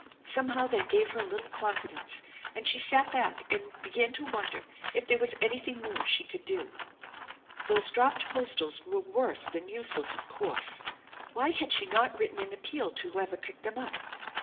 Somehow that gave her a little confidence and she sat back and began to wonder if there was anything more she could do. Those dropped postals were worse than useless, of course. Why had she not written an appeal to whoever picked them up ?